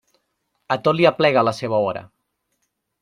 A tot li aplega la seua hora.